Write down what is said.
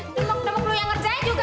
demok demok lo yang ngerjain juga